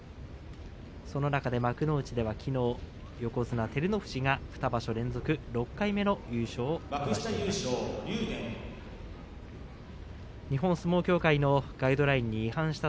その中で幕内ではきのう横綱照ノ富士が２場所連続６回目の優勝を決めました。